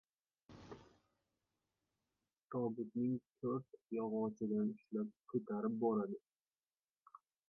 Tobutning to‘rt yog‘ochidan ushlab ko‘tarib boradi.